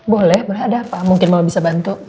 boleh boleh ada apa mungkin mau bisa bantu